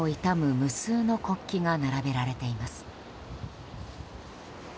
無数の国旗が並べられています。